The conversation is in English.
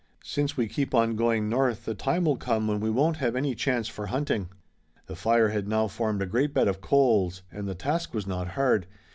Since we keep on going north the time will come when we won't have any chance for hunting." The fire had now formed a great bed of coals and the task was not hard.